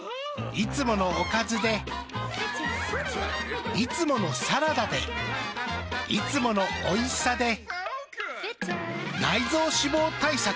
いつものおかずでいつものサラダでいつものおいしさで内臓脂肪対策。